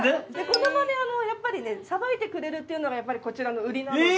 この場でやっぱりさばいてくれるっていうのがこちらの売りなので。